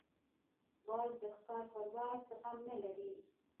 باز د ښکار پر وخت زغم نه لري